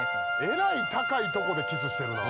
えらい高いとこでキスしてるな。